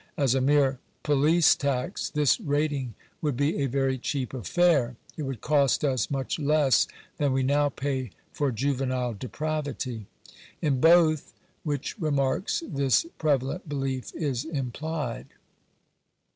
As a mere police tax this rating would be a very cheap affair. It would cost us much less than we now pay for juvenile depravity." In both which remarks this prevalent belief is implied.